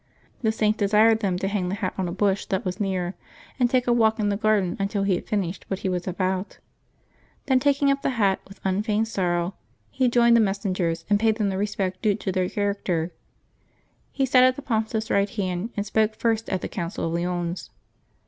The Saint desired them to hang the hat on a bush that was near, and take a walk in the garden until he had finished what he was about. Then taking up the hat with unfeigned sorrow, he joined the messengers, and paid them the respect due to their char acter. He sat at the Pontiff's right hand, and spoke first at the Council of Lyons.